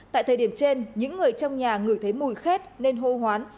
tại thời điểm trên những người trong nhà ngửi thấy mùi khét nên hô hoán